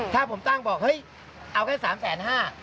ถ้าผมตั้งบอกเฮ้ยเอาแค่๓๕๐๐บาท